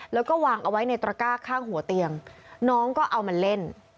แล้วก็วางเอาไว้ในตระก้าข้างหัวเตียงน้องก็เอามาเล่น